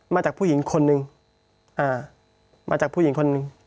พี่เรื่องมันยังไงอะไรยังไง